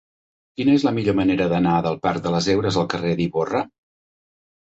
Quina és la millor manera d'anar del parc de les Heures al carrer d'Ivorra?